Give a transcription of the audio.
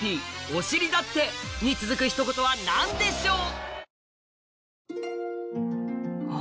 「おしりだって」に続くひと言は何でしょう？